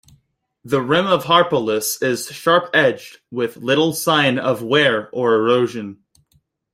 The rim of Harpalus is sharp-edged with little sign of wear or erosion.